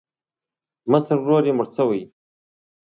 مشر ورور یې مړ شوی.